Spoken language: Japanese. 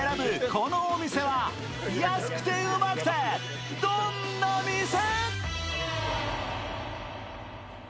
このお店は安くてウマくてどんな店？